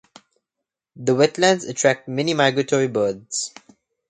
The wetlands attract many migratory birds.